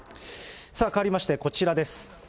変わりましてこちらです。